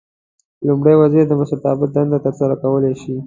لومړی وزیر د مشرتابه دنده ترسره کولای شي.